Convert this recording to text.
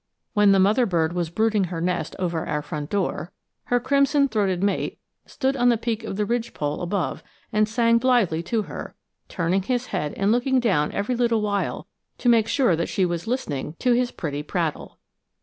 When the mother bird was brooding her nest over our front door, her crimson throated mate stood on the peak of the ridgepole above and sang blithely to her, turning his head and looking down every little while to make sure that she was listening to his pretty prattle.